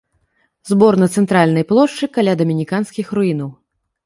Збор на цэнтральнай плошчы каля дамініканскіх руінаў.